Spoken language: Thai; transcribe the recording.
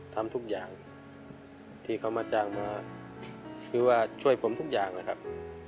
ทำทุกอย่างที่เขามาจ้างมาคือว่าช่วยผมทุกอย่างนะครับ